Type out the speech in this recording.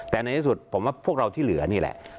แต่ในที่สุดผมว่าพวกเราที่เหลือนี่แหละ